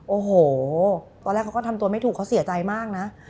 โอ้โหตอนแรกเขาก็ทำตัวไม่ถูกเขาเสียใจมากนะ